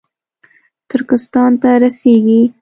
ترکستان ته رسېږي